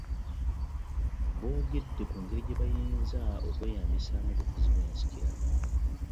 Boogedde ku ngeri gye bayinza okweyambisaamu obufuzi bwensikirano